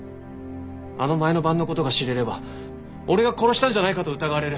あの前の晩の事が知れれば俺が殺したんじゃないかと疑われる。